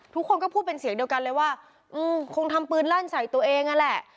ทุกคนก็พูดเป็นเสียงเดียวกันเลยว่าคงทำปืนลั่นใส่ตัวเองนั่นแหละ